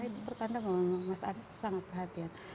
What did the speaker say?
itu pertanda mas anies sangat kehadiran